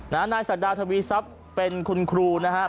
นายศักดาทวีทรัพย์เป็นคุณครูนะครับ